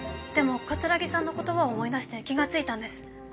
でも桂木さんの言葉を思い出して気が付いたんです。